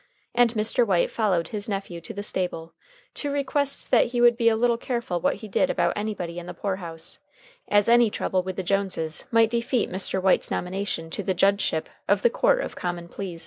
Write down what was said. And Mr. White followed his nephew to the stable to request that he would be a little careful what he did about anybody in the poor house, as any trouble with the Joneses might defeat Mr. White's nomination to the judgeship of the Court of Common Pleas.